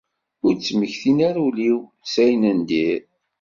Ur ttmekkin ara ul-iw s ayen n diri.